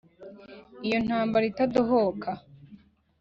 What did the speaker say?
iyo ntambara itadohoka